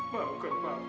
mau ke bawah awas